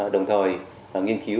đồng thời nghiên cứu